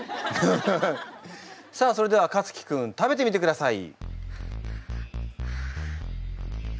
さあそれではかつき君食べてみてください！